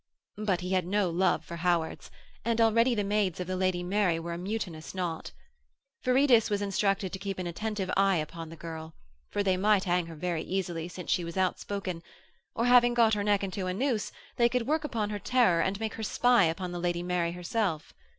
But he had no love for Howards, and already the maids of the Lady Mary were a mutinous knot. Viridus was instructed to keep an attentive eye upon this girl for they might hang her very easily since she was outspoken; or, having got her neck into a noose, they could work upon her terror and make her spy upon the Lady Mary herself.